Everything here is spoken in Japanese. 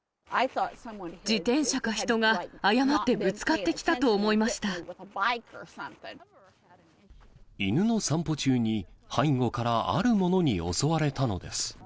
自転車か人が誤ってぶつかっ犬の散歩中に、背後からあるものに襲われたのです。